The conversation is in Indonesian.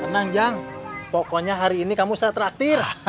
tenang jang pokoknya hari ini kamu setraktir